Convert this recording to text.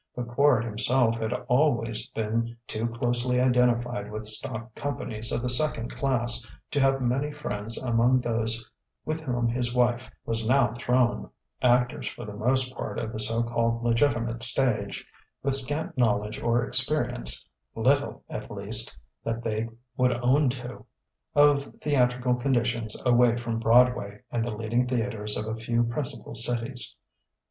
But Quard himself had always been too closely identified with stock companies of the second class to have many friends among those with whom his wife was now thrown: actors for the most part of the so called legitimate stage, with scant knowledge or experience (little, at least, that they would own to) of theatrical conditions away from Broadway and the leading theatres of a few principal cities.